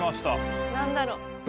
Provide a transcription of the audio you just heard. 何だろう。